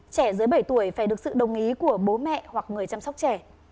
trẻ dưới bảy tuổi phải được sự đồng ý của bố mẹ hoặc người chăm sóc trẻ